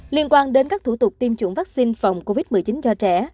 liên quan đến các thủ tục tiêm chủng vaccine phòng covid một mươi chín cho trẻ